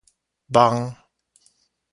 枋